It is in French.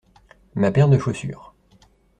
Ma paire de chaussures.